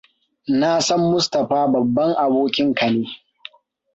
Na san Mustapha babban abokin ka ne.